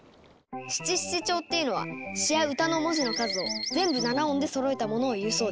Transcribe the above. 七七調っていうのは詩や歌の文字の数を全部７音でそろえたものをいうそうです。